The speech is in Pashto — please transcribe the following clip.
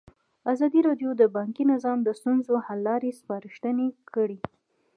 ازادي راډیو د بانکي نظام د ستونزو حل لارې سپارښتنې کړي.